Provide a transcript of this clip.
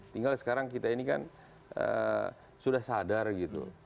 tinggal sekarang kita ini kan sudah sadar gitu